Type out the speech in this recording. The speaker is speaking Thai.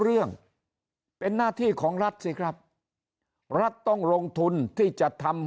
เรื่องเป็นหน้าที่ของรัฐสิครับรัฐต้องลงทุนที่จะทำ